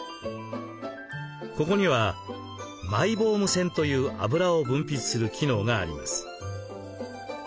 ここにはマイボーム腺という脂を分泌する機能があります。